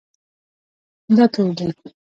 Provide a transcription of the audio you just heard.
دا تور دی